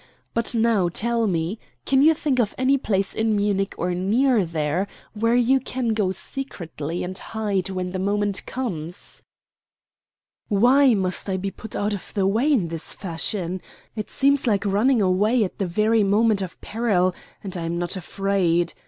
But now tell me, can you think of any place in Munich, or near there, where you can go secretly and hide when the moment comes?" "Why must I be put out of the way in this fashion? It seems like running away at the very moment of peril, and I am not afraid.